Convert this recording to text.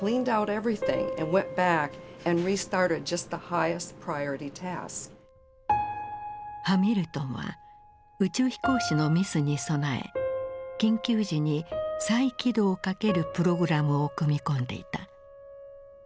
ハミルトンは宇宙飛行士のミスに備え緊急時に再起動をかけるプログラムを組み込んでいた。